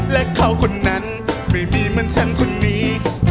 และเขาคนนั้นไม่มีเหมือนฉันคนนี้